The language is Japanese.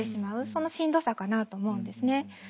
そのしんどさかなと思うんですね。